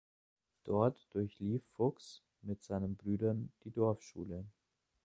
Dort durchlief Fuchs mit seinen Brüdern die Dorfschule.